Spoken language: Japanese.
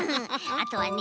あとはね